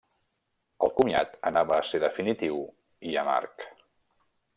El comiat anava a ser definitiu i amarg.